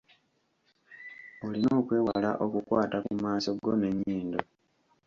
Olina okwewala okukwata ku maaso go n’ennyindo.